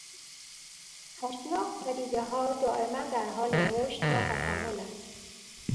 اشیاء و پدیدهها دائماً در حال رشد و تکاملند.